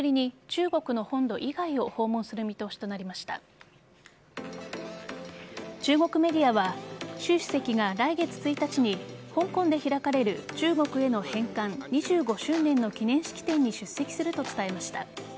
中国メディアは習主席が来月１日に香港で開かれる中国への返還２５周年の記念式典に出席すると伝えました。